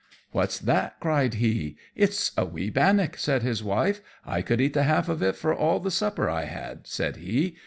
"What's that?" cried he. "It's a wee bannock," said his wife. "I could eat the half of it for all the supper I had," said he.